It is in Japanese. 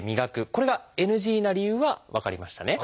これがＮＧな理由は分かりましたね？